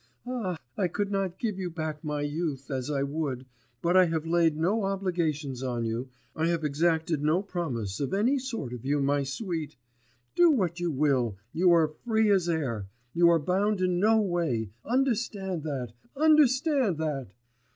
Ah! I could not give you back my youth, as I would, but I have laid no obligations on you, I have exacted no promise of any sort of you, my sweet! Do what you will, you are free as air, you are bound in no way, understand that, understand that!